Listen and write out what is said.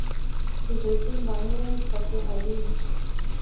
خو زيتون بانو، صفيه حليم